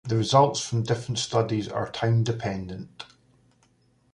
The results from different studies are time dependent.